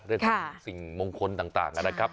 ด้วยทำสิ่งมงคลต่างนะครับ